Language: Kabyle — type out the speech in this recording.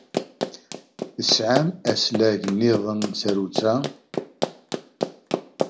Tesɛam aslag niḍen n tsarut-a?